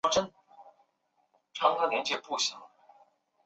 选择通过安心卖家认证的店家